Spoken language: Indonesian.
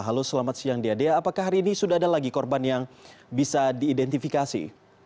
halo selamat siang dia dea apakah hari ini sudah ada lagi korban yang bisa diidentifikasi